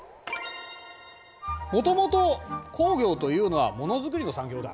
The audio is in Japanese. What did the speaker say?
もともと工業というのはものづくりの産業だ。